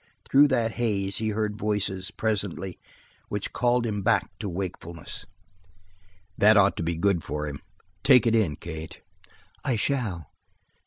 Through that haze he heard voices, presently, which called him back to wakefulness. "That ought to be good for him. Take it in, Kate." "I shall.